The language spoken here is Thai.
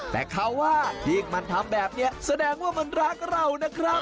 แต่เขาว่าที่มันทำแบบนี้แสดงว่ามันรักเรานะครับ